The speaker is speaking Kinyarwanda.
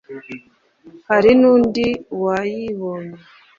hari n’ubundi mwayibonye’